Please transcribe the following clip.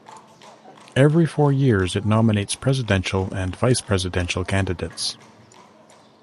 Every four years it nominates presidential and vice presidential candidates.